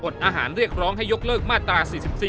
อาหารเรียกร้องให้ยกเลิกมาตรา๔๔